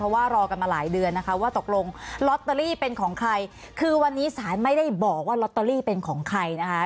ว่าตกลงลอตเตอรี่เป็นของใครคือวันนี้ศาลไม่ได้บอกว่าลอตเตอรี่เป็นของใครนะคะ